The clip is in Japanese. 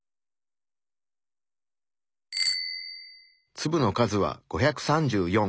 粒の数は５３４。